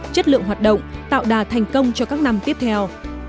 chất lượng hoạt động tạo đà thành công cho các năm tiếp theo